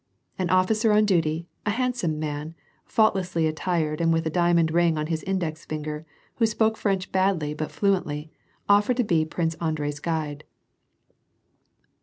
An officer on duty, a handsome man, fault lessly attired and with a diamond ring on his index finger, who spoke French badly but fluently, offered to be Prince Andrei's guide.